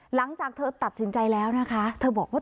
หลังจากเธอตัดสินใจแล้วนะคะเธอบอกว่า